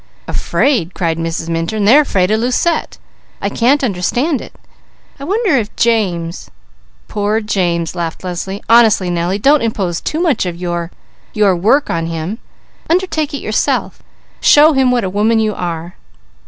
"Afraid!" cried Mrs. Minturn. "They are afraid of Lucette! I can't understand it. I wonder if James " "Poor James!" laughed Leslie. "Honestly Nellie, don't impose too much of your your work on him. Undertake it yourself. Show him what a woman you are."